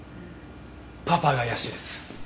パパが怪しいです。